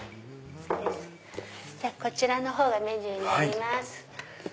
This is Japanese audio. こちらのほうがメニューになります。